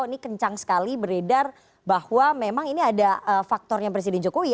ini kencang sekali beredar bahwa memang ini ada faktornya presiden jokowi